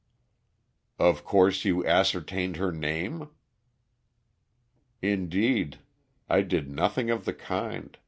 "Of course you ascertained her name?" "Indeed, I did nothing of the kind.